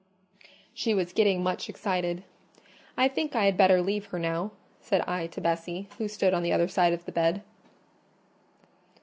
She was getting much excited. "I think I had better leave her now," said I to Bessie, who stood on the other side of the bed.